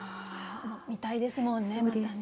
見たいですもんねまたね。